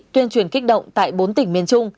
tuyên truyền kích động tại bốn tỉnh miền trung